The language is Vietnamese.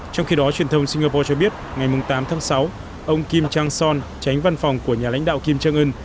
trong khi đó truyền thông singapore cho biết ngày tám tháng sáu ông kim chang son tránh văn phòng của nhà lãnh đạo kim jong un